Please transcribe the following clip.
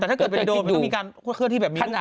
แต่ถ้าเกิดมีโดนมันต้องมีการเคลื่อนที่แบบมีรูปแบบ